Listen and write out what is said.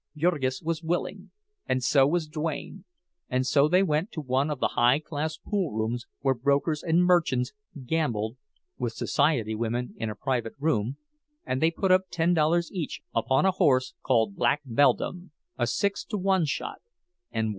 Jurgis was willing, and so was Duane, and so they went to one of the high class poolrooms where brokers and merchants gambled (with society women in a private room), and they put up ten dollars each upon a horse called "Black Beldame," a six to one shot, and won.